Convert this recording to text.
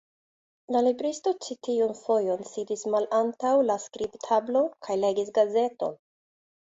La libristo ĉi tiun fojon sidis malantaŭ la skribtablo kaj legis gazeton.